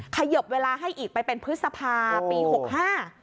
ขยบเวลาให้อีกไปเป็นพฤษภาปีหกห้า